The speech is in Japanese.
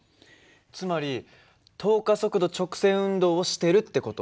つまり等加速度直線運動をしてるって事？